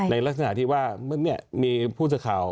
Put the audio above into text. ในลักษณะที่ว่ามีผู้สาขาว